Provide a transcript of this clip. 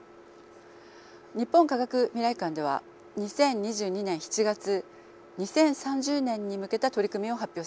日本科学未来館では２０２２年７月２０３０年に向けた取り組みを発表しました。